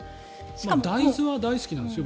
大豆は大好きなんですよ。